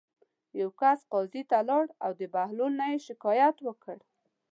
یوه کس قاضي ته لاړ او د بهلول نه یې شکایت وکړ.